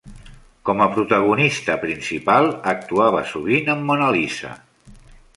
Com a protagonista principal, actuava sovint amb Mona Lisa.